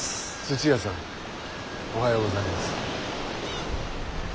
土屋サンおはようございます。